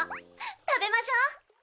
食べましょう！